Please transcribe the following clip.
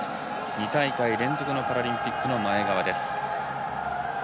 ２大会連続のパラリンピックの前川です。